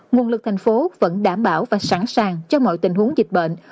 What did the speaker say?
nguồn lực thành phố vẫn đảm bảo và sẵn sàng cho mọi tình huống dịch bệnh